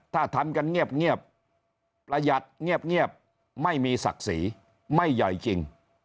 ถ้าทำกันเงียบประหยัดเงียบไม่มีศักดิ์ศรีไม่ใหญ่จริง